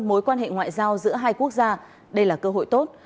mối quan hệ ngoại giao giữa hai quốc gia đây là cơ hội tốt